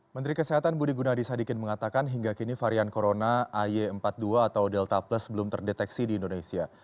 menteri kesehatan budi gunadisadikin mengatakan hingga kini varian corona ay empat puluh dua atau delta plus belum terdeteksi di indonesia